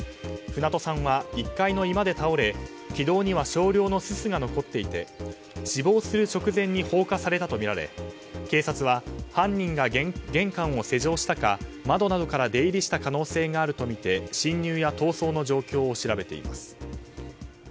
船戸さんは１階の居間で倒れ気道には少量のすすが残っていて死亡する直前に放火されたとみられ警察は、犯人が玄関を施錠したか窓などから出入りした可能性があるとみて侵入や逃走の状況を調べています。